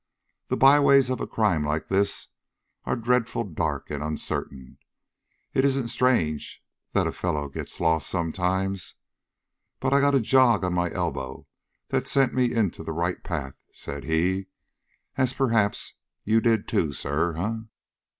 The byways of a crime like this are dreadful dark and uncertain. It isn't strange that a fellow gets lost sometimes. But I got a jog on my elbow that sent me into the right path," said he, "as, perhaps, you did too, sir, eh?"